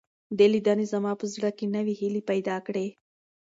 دې لیدنې زما په زړه کې نوې هیلې پیدا کړې.